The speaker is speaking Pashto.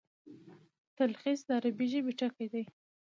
تلخیص د عربي ژبي ټکی دﺉ.